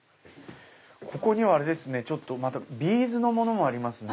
ここにはビーズのものもありますね。